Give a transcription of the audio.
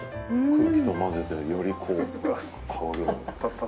空気と混ぜて、より香りを。